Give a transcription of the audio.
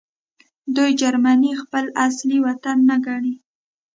دوی جرمني خپل اصلي وطن نه ګڼي